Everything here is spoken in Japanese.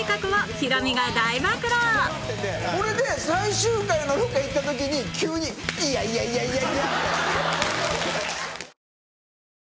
それで最終回のロケ行った時に急に「いやいやいやいや」。